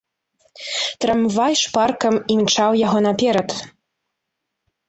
Трамвай шпарка імчаў яго наперад.